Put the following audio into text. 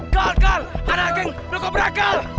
kal kal ada geng belokobrak kal